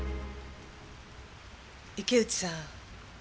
池内さん